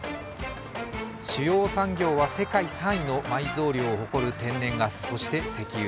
主要産業は、世界３位の埋蔵量を誇る天然ガス、そして石油。